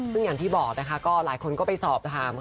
ซึ่งอย่างที่บอกนะคะก็หลายคนก็ไปสอบถามค่ะ